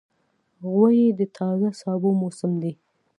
غویی د تازه سابو موسم دی.